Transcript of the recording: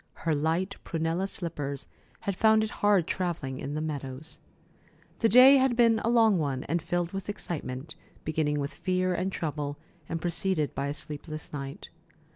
Her light prunella slippers had found it hard travelling in the meadows. The day had been a long one, and filled with excitement, beginning with fear and trouble, and preceded by a sleepless night.